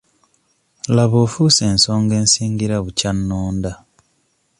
Laba ofuuse ensonga ensingira bukya nnonda.